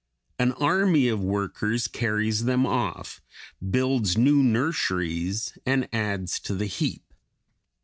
An army of workers carries them off, builds new nurseries, and adds to the heap.